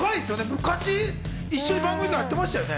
昔、一緒に番組とかやってましたね。